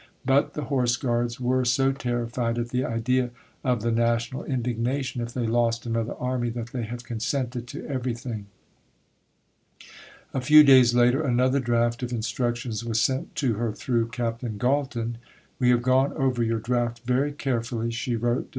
But the Horse Guards were so terrified at the idea of the national indignation if they lost another army, that they have consented to everything." A few days later another draft of instructions was sent to her through Captain Galton. "We have gone over your draft very carefully," she wrote (Dec.